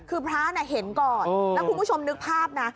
คือพระเห็นก่อนแล้วคุณผู้ชมนึกภาพนะ